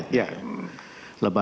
lebem mayatnya pasti ada lebem mayat